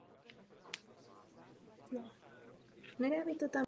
Podobné představy a zvyky byly nalezeny v dalších částech Evropy.